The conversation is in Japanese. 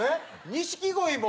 錦鯉も。